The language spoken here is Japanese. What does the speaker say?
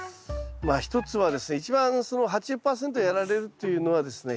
まあ一つはですね一番その８０％やられるっていうのはですね